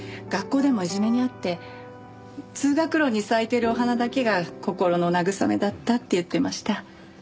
学校でもいじめに遭って通学路に咲いてるお花だけが心の慰めだったって言ってました。